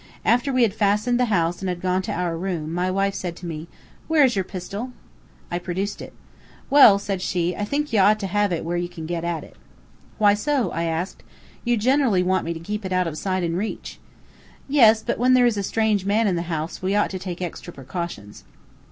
After we had fastened the house and had gone to our room, my wife said to me, "Where is your pistol?" I produced it. "Well," said she, "I think you ought to have it where you can get at it." "Why so?" I asked. "You generally want me to keep it out of sight and reach." "Yes; but when there is a strange man in the house we ought to take extra precautions."